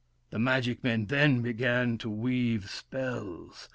The magic men then began to weave spells.